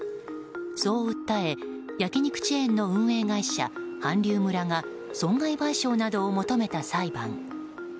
そう訴え、焼き肉チェーンの運営会社、韓流村が損害賠償などを求めた裁判。